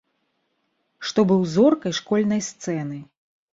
Што быў зоркай школьнай сцэны.